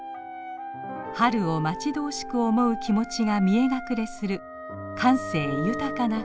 春を待ち遠しく思う気持ちが見え隠れする感性豊かな言葉です。